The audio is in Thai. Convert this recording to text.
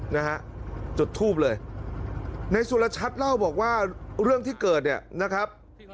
นะฮะจุดทูบเลยในสุรชัดเล่าบอกว่าเรื่องที่เกิดเนี่ยนะครับ